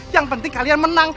yang penting kalian menang